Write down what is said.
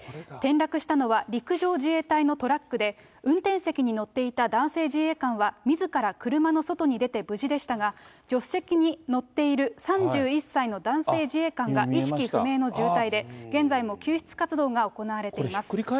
転落したのは陸上自衛隊のトラックで、運転席に乗っていた男性自衛官はみずから車の外に出て無事でしたが、助手席に乗っている３１歳の男性自衛官が意識不明の重体で、現在も救出活動が行われています。